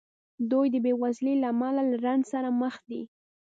دوی د بېوزلۍ له امله له رنځ سره مخ دي.